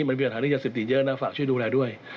มันมีปัญหาเรื่องยาเสพติดเยอะนะฝากช่วยดูแลด้วย